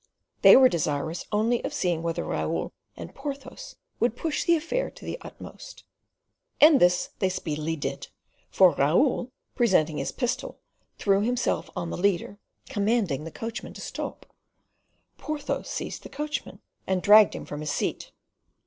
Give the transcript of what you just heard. They were desirous only of seeing whether Raoul and Porthos would push the affair to the uttermost. And this they speedily did, for Raoul, presenting his pistol, threw himself on the leader, commanding the coachmen to stop. Porthos seized the coachman, and dragged him from his seat.